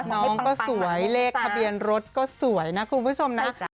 น้องก็สวยเลขทะเบียนรถก็สวยนะคุณผู้ชมนะ